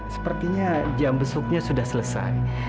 sepertinya jam besuknya sudah selesai